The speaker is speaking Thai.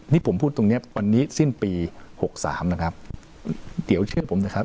นี่ผมพูดตรงเนี้ยวันนี้สิ้นปีหกสามนะครับเดี๋ยวเชื่อผมนะครับ